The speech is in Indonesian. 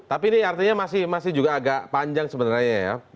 tapi ini artinya masih juga agak panjang sebenarnya ya